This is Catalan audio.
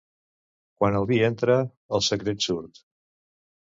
Quan el vi entra, el secret surt.